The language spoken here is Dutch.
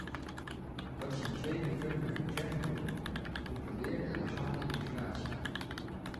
Dat is het tweede punt met betrekking tot een gecontroleerde en legale immigratie.